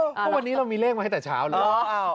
เพราะวันนี้เรามีเลขมาให้แต่เช้าเลย